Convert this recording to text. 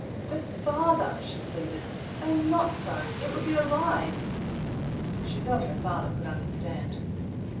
"But, father," she pleaded, "I am not sorry; it would be a lie." She felt her father could understand.